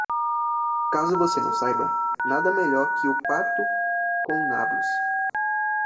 Caso você não saiba, nada melhor que o pato com nabos.